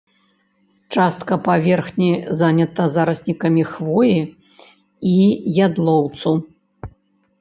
Частка паверхні занята зараснікамі хвоі і ядлоўцу.